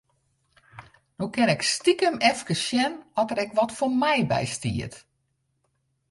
No kin ik stikem efkes sjen oft der ek wat foar my by stiet.